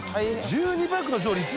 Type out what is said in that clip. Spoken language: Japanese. １２パックの調理瓜